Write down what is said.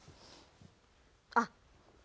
あっ。